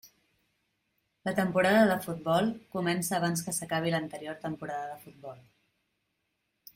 La temporada de futbol comença abans que s'acabi l'anterior temporada de futbol.